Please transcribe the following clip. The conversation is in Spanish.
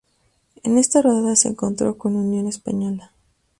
En esta ronda se encontró con Unión Española.